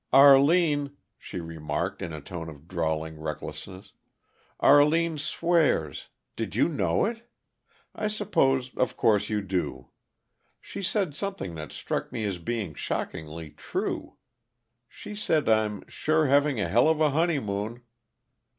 "Arline," she remarked, in a tone of drawling recklessness. "Arline swears. Did you know it? I suppose, of course, you do. She said something that struck me as being shockingly true. She said I'm 'sure having a hell of a honeymoon.'"